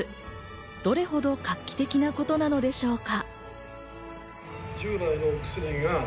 どれほど画期的なことなのでしょうか？